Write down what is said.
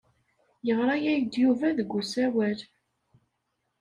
Yeɣra-ak-d Yuba deg usawal.